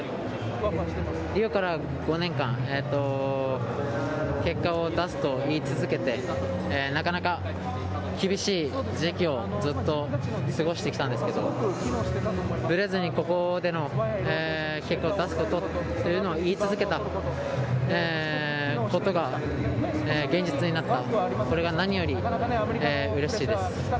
リオから５年間、結果を出すといい続けて、なかなか厳しい時期をずっと過ごしてきたんですけれども、ブレずにここで結果を出すってことを言い続けたことが現実になった、これが何より嬉しいです。